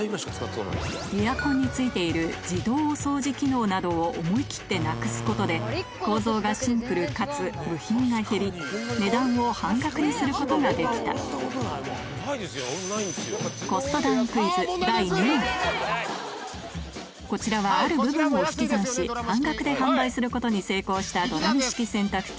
エアコンに付いている自動お掃除機能などを思い切ってなくすことで構造がシンプルかつ部品が減りコストダウンクイズ第２問こちらはある部分を引き算し半額で販売することに成功したドラム式洗濯機